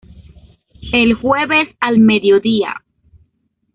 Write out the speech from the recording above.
El jueves al mediodía.